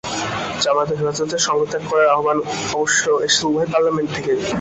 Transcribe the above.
জামায়াত ও হেফাজতের সঙ্গ ত্যাগ করার আহ্বান অবশ্য এসেছে উভয় পার্লামেন্ট থেকেই।